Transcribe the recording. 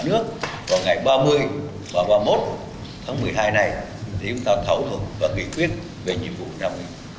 trong ngày ba mươi và ba mươi một tháng một mươi hai này chúng ta thảo luận và kỳ quyết về nhiệm vụ năm hai nghìn hai mươi